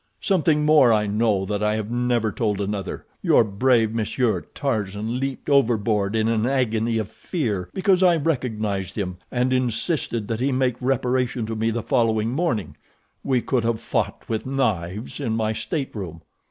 Something more I know that I have never told another—your brave Monsieur Tarzan leaped overboard in an agony of fear because I recognized him, and insisted that he make reparation to me the following morning—we could have fought with knives in my stateroom."